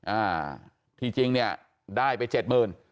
อ่าที่จริงเนี่ยได้ไป๗๐๐๐๐บาท